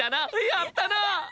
やったな！